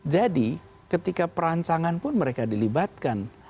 jadi ketika perancangan pun mereka dilibatkan